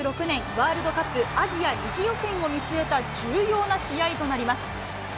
ワールドカップアジア２次予選を見据えた重要な試合となります。